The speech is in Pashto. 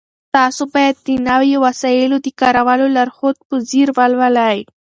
تاسو باید د نويو وسایلو د کارولو لارښود په ځیر ولولئ.